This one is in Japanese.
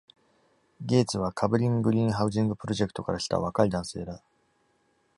Gates は Cabrini-Green ハウジングプロジェクトから来た若い男性だ。